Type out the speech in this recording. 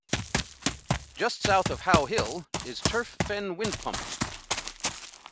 Just south of How Hill is Turf Fen windpump.